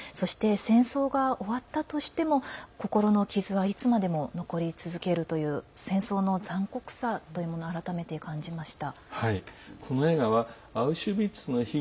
毎日、死の恐怖と闘いながら懸命に生き延びてそして、戦争が終わったとしても心の傷はいつまでも残り続けるという戦争の残酷さというものを改めて感じました。